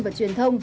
và truyền thông